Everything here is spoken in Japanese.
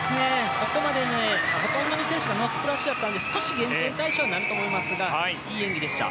ここまで、ほとんどの選手がノースプラッシュだったので少し減点対象になると思いますがいい演技でした。